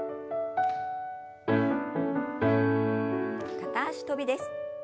片脚跳びです。